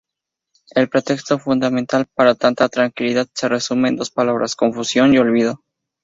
El pretexto fundamental para tanta tranquilidad se resume en dos palabras: confusión y olvido.